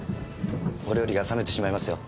お料理が冷めてしまいますよ。